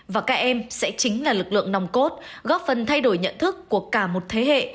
và các em sẽ chính là lực lượng nòng cốt góp phần thay đổi nhận thức của cả một thế hệ